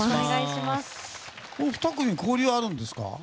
お二組は交流あるんですか？